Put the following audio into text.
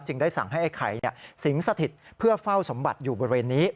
ได้สั่งให้ไอ้ไข่สิงสถิตเพื่อเฝ้าสมบัติอยู่บริเวณนี้